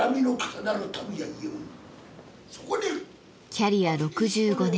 キャリア６５年。